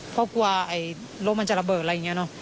เพราะกลัวรถมันจะระเบิดอะไรอย่างนี้เนอะ